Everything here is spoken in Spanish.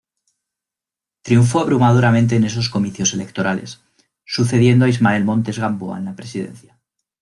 Triunfó abrumadoramente en esos comicios electorales, sucediendo a Ismael Montes Gamboa en la presidencia.